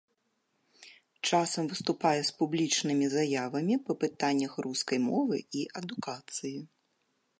Часам выступае з публічнымі заявамі па пытаннях рускай мовы і адукацыі.